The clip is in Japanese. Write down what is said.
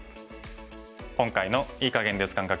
今回の“いい”かげんで打つ感覚